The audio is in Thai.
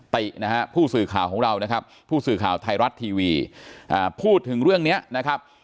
ตินะฮะผู้สื่อข่าวของเรานะครับผู้สื่อข่าวไทยรัฐทีวีพูดถึงเรื่องนี้นะครับ